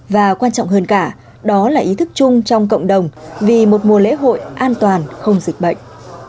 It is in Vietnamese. và quan trọng hơn cả đó là ý thức chung trong cộng đồng vì một mùa lễ hội an toàn không dịch bệnh